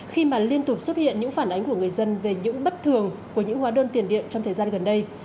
khi mà liên tục xuất hiện những phản ánh của người dân về những bất thường của những hóa đơn tiền điện trong thời gian gần đây